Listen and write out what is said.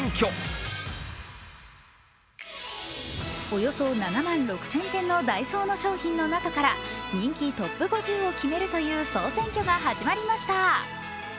およそ７万６０００点のダイソーの商品の中から人気トップ５０を決めるという総選挙が始まりました。